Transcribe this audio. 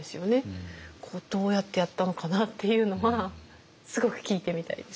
どうやってやったのかなっていうのはすごく聞いてみたいです。